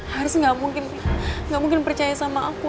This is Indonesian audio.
haris gak mungkin percaya sama aku